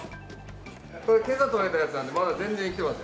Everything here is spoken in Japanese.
これ今朝とれたやつなんでまだ全然生きてますよ。